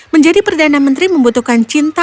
menjadi perdana menteri membutuhkan cinta